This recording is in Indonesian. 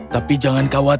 tapi jangan khawatir